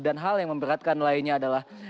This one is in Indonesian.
dan hal yang memberatkan lainnya adalah